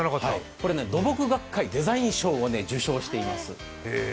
これ土木学会デザイン賞を受賞しています。